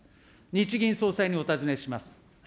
日銀総裁にお尋ねします。